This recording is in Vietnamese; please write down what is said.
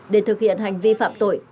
để thực hiện hành vi phạm tội